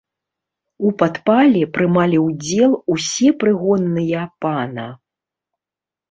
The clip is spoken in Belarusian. У падпале прымалі ўдзел усе прыгонныя пана.